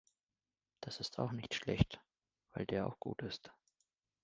Das ist auch nicht schlecht, weil der auch gut ist.